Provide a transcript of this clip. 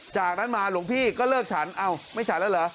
จากนั้นมาหลวงพี่ก็เลิกฉันเอ้าไม่ฉันแล้วเหรอ